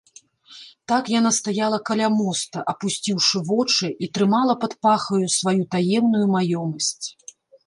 Так яна стаяла каля моста, апусціўшы вочы, і трымала пад пахаю сваю таемную маёмасць.